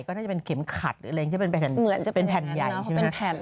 ก็น่าจะเป็นเข็มขัดเป็นแผ่นใหญ่ใช่ไหม